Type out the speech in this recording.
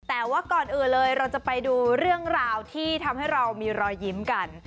แต่ว่าก่อนอื่นเลยเราจะไปดูเรื่องราวที่ทำให้เรามีรอยยิ้มกัน